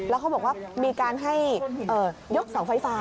แล้วเขาบอกว่ามีการให้ยกเสาไฟฟ้า